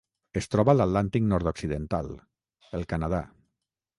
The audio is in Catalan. Es troba a l'Atlàntic nord-occidental: el Canadà.